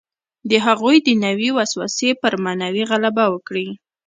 د هغوی دنیوي وسوسې پر معنوي غلبه وکړي.